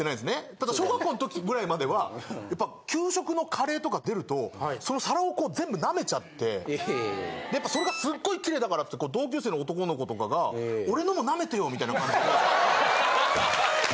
ただ小学校の時ぐらいまでは給食のカレーとか出るとその皿をこう全部舐めちゃってでやっぱそれがすっごい綺麗だからって同級生の男の子とかが俺のも舐めてよみたいな感じで。